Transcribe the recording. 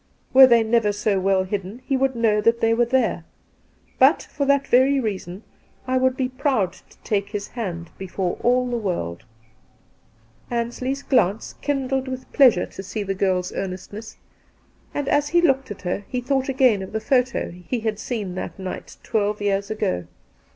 Were they never so weU hidden, he would know that they were there. But, for that very reason, I would be proud to take his hand before ajl the world.' Two Christmas Days 221 Ansley's glance kindled with pleasure to see tlie girl's earnestness, and, as he looked at her, he thought again of the photo he had seen that night twelve years ago.